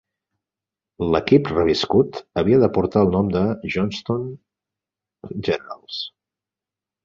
L'equip reviscut havia de portar el nom de Johnstown Generals.